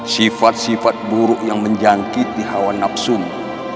sifat sifat buruk yang menjangkiti hawa nafsumu